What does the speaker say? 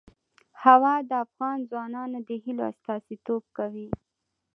هوا د افغان ځوانانو د هیلو استازیتوب کوي.